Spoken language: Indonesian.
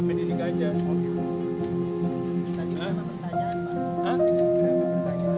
pak ini yang benar benar turun ya